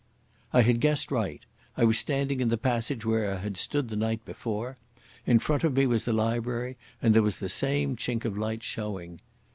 I had guessed right. I was standing in the passage where I had stood the night before. In front of me was the library, and there was the same chink of light showing.